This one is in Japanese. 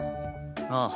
ああ。